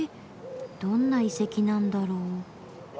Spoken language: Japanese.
どんな遺跡なんだろう？